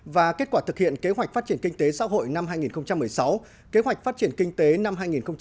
và kết quả thực hiện kế hoạch phát triển kinh tế xã hội năm hai nghìn một mươi sáu kế hoạch phát triển kinh tế năm hai nghìn hai mươi